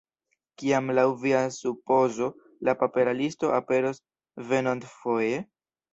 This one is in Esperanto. Kiam laŭ via supozo la papera listo aperos venontfoje?